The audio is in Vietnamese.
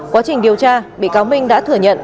quá trình điều tra bị cáo minh đã thừa nhận